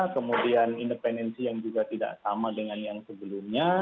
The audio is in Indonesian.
kemudian independensi yang juga tidak sama dengan yang sebelumnya